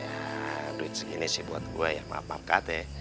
nah duit segini sih buat gue ya maaf maaf ya